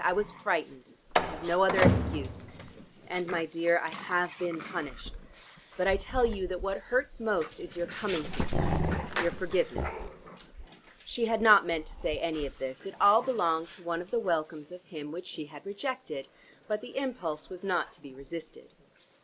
I was frightened: I have no other excuse. And, my dear, I have been punished. But I tell you, that what hurts most is your coming here your forgiveness." She had not meant to say any of this; it all belonged to one of the welcomes of him which she had rejected. But the impulse was not to be resisted.